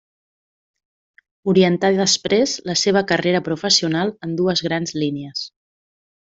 Orientà després la seva carrera professional en dues grans línies.